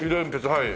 はい。